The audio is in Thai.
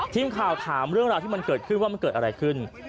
ทีมข่าวถามเรื่องราวที่มันเกิดขึ้นว่ามันเกิดอะไรขึ้น